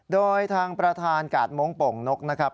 โดยทางประธานกาดม้งโป่งนกนะครับ